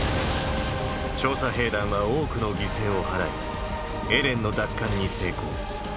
調査兵団は多くの犠牲を払いエレンの奪還に成功。